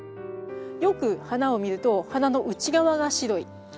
よく花を見ると花の内側が白い。